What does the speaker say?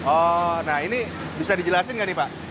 oh nah ini bisa dijelasin nggak nih pak